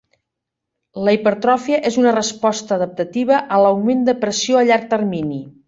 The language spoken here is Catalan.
La hipertròfia és una resposta adaptativa a l'augment de pressió a llarg termini.